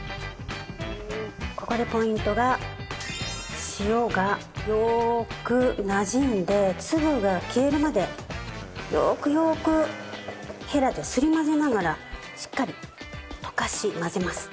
ここでポイントが塩がよーくなじんで粒が消えるまでよーくよーくヘラですり混ぜながらしっかり溶かし混ぜます。